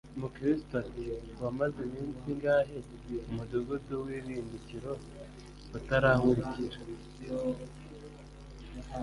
Mukristo ati: “Wamaze iminsi ingahe mu mudugudu w’i Rimbukiro utarankurikira”?